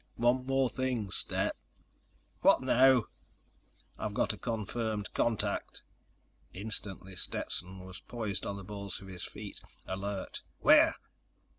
"One more thing, Stet." "What now?" "I've got a confirmed contact." Instantly, Stetson was poised on the balls of his feet, alert. "Where?"